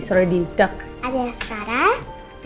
ada yang sekarang